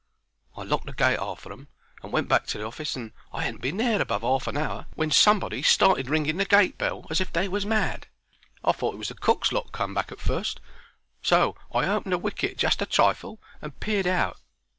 I locked the gate arter 'em and went back to the office, and I 'adn't been there above 'arf an hour when somebody started ringing the gate bell as if they was mad. I thought it was the cook's lot come back at fust, so I opened the wicket just a trifle and peeped out.